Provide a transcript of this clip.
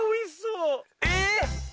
えっ！